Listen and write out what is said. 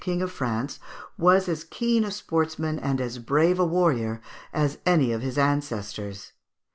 king of France, was as keen a sportsman and as brave a warrior as any of his ancestors.